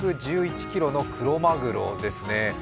２１１ｋｇのクロマグロですね。